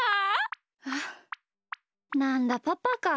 あっなんだパパか。